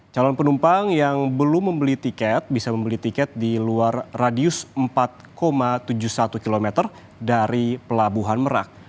calon penumpang yang belum membeli tiket bisa membeli tiket di luar radius empat tujuh puluh satu km dari pelabuhan merak